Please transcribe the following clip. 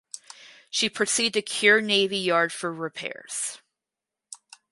She proceeded to Kure Navy Yard for repairs.